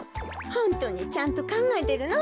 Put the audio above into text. ホントにちゃんとかんがえてるの？